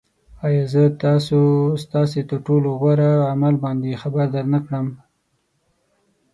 آیا زه تاسو ستاسې تر ټولو غوره عمل باندې خبر درنه نه کړم